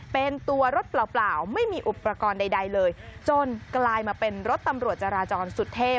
เป็นตัวรถเปล่าไม่มีอุปกรณ์ใดเลยจนกลายมาเป็นรถตำรวจจราจรสุดเท่